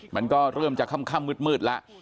มันก็เริ่มจะค่ำมืดแล้ว